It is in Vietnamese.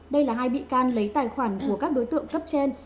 đây là hai bị can lấy tài khoản của các đối tượng cấp trên